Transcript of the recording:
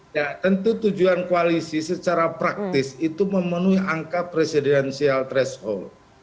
ya tentu tujuan koalisi secara praktis itu memenuhi angka presidensial threshold